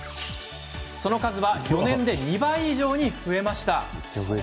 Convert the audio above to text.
その数は４年で２倍以上に増えました。